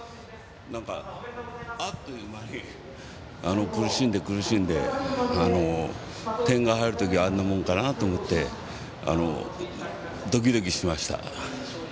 何か、あっという間に苦しんで苦しんで点が入るときはあんなもんかなと思ってドキドキしていました。